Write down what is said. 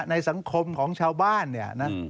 ในสังคมของชาวบ้านเนี่ยนะ